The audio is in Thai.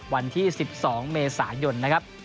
วันที่๑๒เมษายนนะครับ